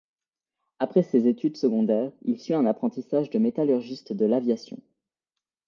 Après ses études secondaires, il suit un apprentissage de métallurgiste de l'aviation.